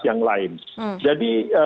yang lain jadi